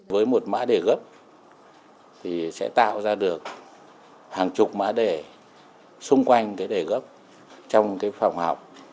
với một mã đề gấp thì sẽ tạo ra được hàng chục mã đề xung quanh cái đề gốc trong cái phòng học